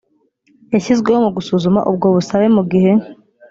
yashyizweho mu gusuzuma ubwo busabe mu gihe